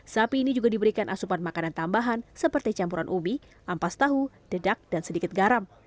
sapi ini juga diberikan asupan makanan tambahan seperti campuran ubi ampas tahu dedak dan sedikit garam